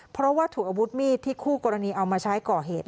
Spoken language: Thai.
เพราะว่าถูกอาวุธมีดที่คู่กรณีเอามาใช้ก่อเหตุ